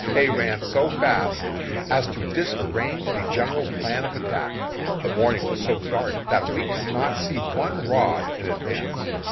They ran so fast as to disarrange the general's plan of attack. The morning was so dark that we could not see one rod in advance.